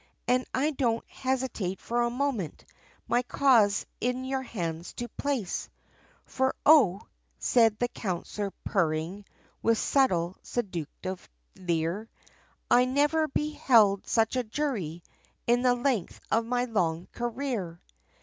And I don't hesitate for a moment, my cause in your hands to place, For O," said the counsellor, purring, with subtle seductive leer, "I never beheld such a jury, in the length of my long career!